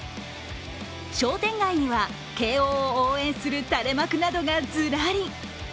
商店街には、慶応を応援する垂れ幕などがずらり。